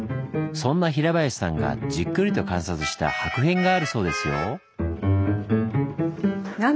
そんな平林さんがじっくりと観察した薄片があるそうですよ。